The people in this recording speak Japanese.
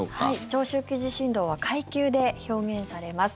長周期地震動は階級で表現されます。